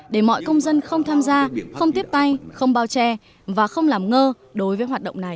để mọi công dân không tham gia không tiếp tay không bao che và không làm ngơ đối với hoạt động này